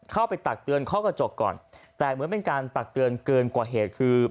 ตักเตือนข้อกระจกก่อนแต่เหมือนเป็นการตักเตือนเกินกว่าเหตุคือ